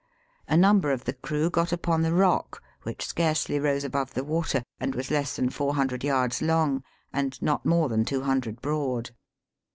A number of the crew got upon the rock, which scarcely rose above the water, and was less than four hundred yards long, and not more than two hundred broad.